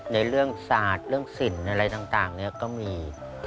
ในเรื่องศาสตร์เรื่องสินอะไรต่างก็มี